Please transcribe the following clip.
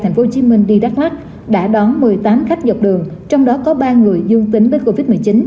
tp hcm đi đắk lắc đã đón một mươi tám khách dọc đường trong đó có ba người dương tính với covid một mươi chín